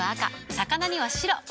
魚には白。